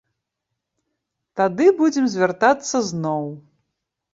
Тады будзем звяртацца зноў.